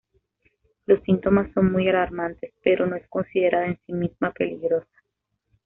Los síntomas son muy alarmantes, pero no es considerada en sí misma peligrosa.